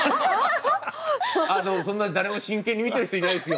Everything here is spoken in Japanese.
そんな誰も真剣に見てる人いないですよ。